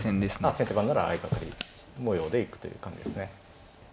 先手番なら相掛かり模様で行くという感じですね。